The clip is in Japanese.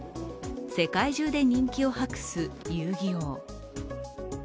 世界中で人気を博す「遊戯王」。